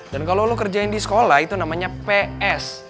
dan kalo lo kerjain di sekolah itu namanya ps